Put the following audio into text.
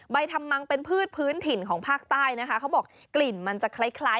ทำมังเป็นพืชพื้นถิ่นของภาคใต้นะคะเขาบอกกลิ่นมันจะคล้ายคล้าย